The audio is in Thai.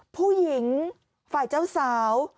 ผู้หญิงฝ่ายเจ้าสาว